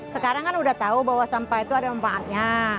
sekarang kan udah tahu bahwa sampah itu ada manfaatnya